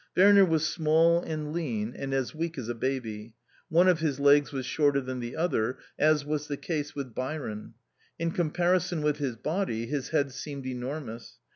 Werner was small and lean and as weak as a baby. One of his legs was shorter than the other, as was the case with Byron. In comparison with his body, his head seemed enormous.